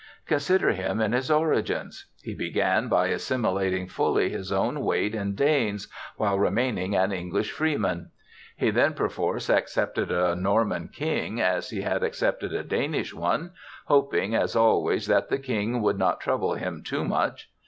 Consider him in his origins. He began by assimilating fully his own weight in Danes, while remaining an English freeman. He then perforce accepted a Norman king, as he had accepted a Danish one, hoping, as always, that the king would not trouble him too much.